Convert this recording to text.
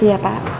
tidak ya pak